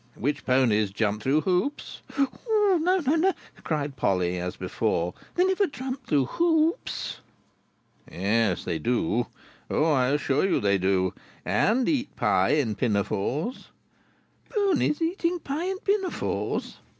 Which ponies jump through hoops—" "No, no, NO!" cried Polly, as before. "They never jump through hoops!" "Yes, they do. O I assure you, they do. And eat pie in pinafores—" "Ponies eating pie in pinafores!"